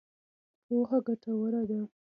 پوهه ګټوره ده.